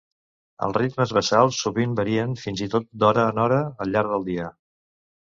Els ritmes basals sovint varien fins i tot d'hora en hora al llarg del dia.